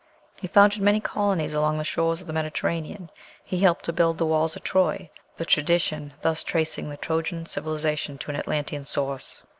He founded many colonies along the shores of the Mediterranean; "he helped to build the walls of Troy;" the tradition thus tracing the Trojan civilization to an Atlantean source.